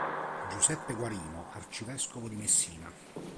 Giuseppe Guarino, arcivescovo di Messina.